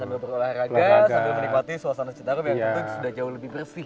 sambil berolahraga sambil menikmati suasana citarum yang tentu sudah jauh lebih bersih